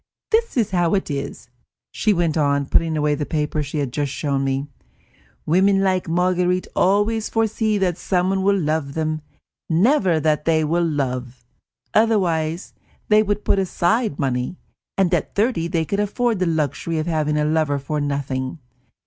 "This is how it is," she went on, putting away the papers she had just shown me; "women like Marguerite always foresee that someone will love them, never that they will love; otherwise they would put aside money, and at thirty they could afford the luxury of having a lover for nothing.